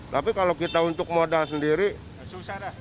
tapi kalau kita untuk modal sendiri berat